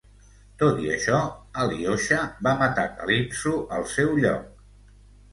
Tot i això, Alyosha va matar Calypso al seu lloc.